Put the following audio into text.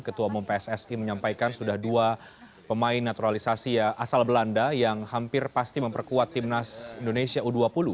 ketua umum pssi menyampaikan sudah dua pemain naturalisasi asal belanda yang hampir pasti memperkuat timnas indonesia u dua puluh